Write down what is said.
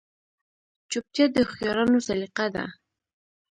چوپتیا، د هوښیارانو سلیقه ده.